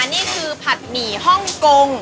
นี่คือผัดหมี่ฮ่องกง